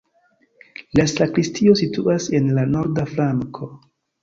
La sakristio situas en la norda flanko.